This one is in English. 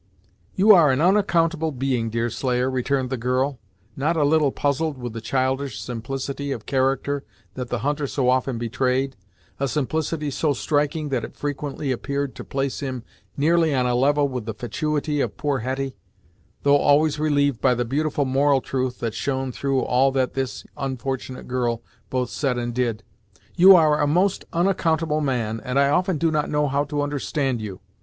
"You are an unaccountable being, Deerslayer," returned the girl, not a little puzzled with the childish simplicity of character that the hunter so often betrayed a simplicity so striking that it frequently appeared to place him nearly on a level with the fatuity of poor Hetty, though always relieved by the beautiful moral truth that shone through all that this unfortunate girl both said and did "You are a most unaccountable man, and I often do not know how to understand you.